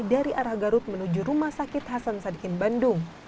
dari arah garut menuju rumah sakit hasan sadikin bandung